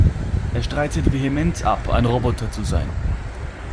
Er streitet vehement ab, ein Roboter zu sein.